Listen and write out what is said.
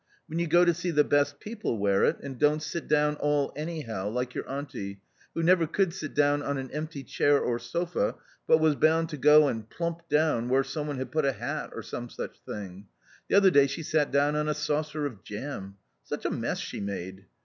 When you go to see the best people wear it and don't sit down all anyhow, like your auntie, who never could sit down on an empty chair or sofa, but was bound to go and plump down where some one had put a hat or some such thing ; the other day she sat down on a saucer of jam — such a mess she made